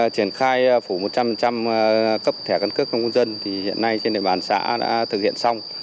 triển khai phủ một trăm linh cấp thẻ căn cước công dân thì hiện nay trên địa bàn xã đã thực hiện xong